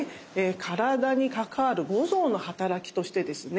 体に関わる五臓のはたらきとしてですね